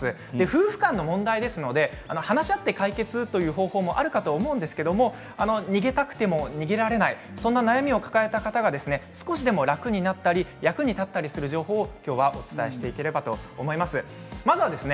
夫婦間の問題ですので話し合って解決という方法もあるかもしれませんが逃げたくても逃げられないそんな悩みを抱える方が少しでも楽になったり役に立ったりする情報を今日はお伝えしていければと思います。